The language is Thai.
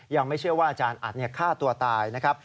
ยังไม่เชื่อว่าอาจารย์อัดฆ่าตัวตายนะครับ